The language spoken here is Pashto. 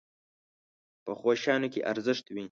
پخو شیانو کې ارزښت وي